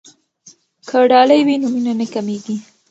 که ډالۍ وي نو مینه نه کمېږي.